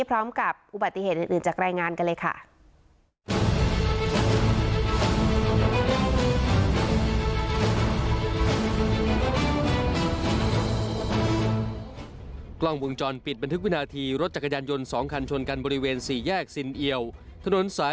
พร้อมกับอุบัติเหตุอื่นจากรายงานกันเลยค่ะ